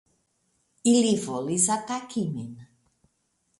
Ili volis ataki min.